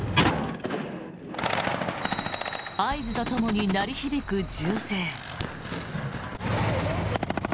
合図とともに鳴り響く銃声。